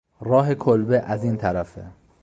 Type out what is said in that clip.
راه کلبه از این طرفه